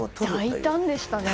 大胆でしたね。